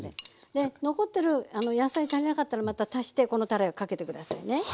残ってる野菜足りなかったらまた足してこのたれをかけて下さいね。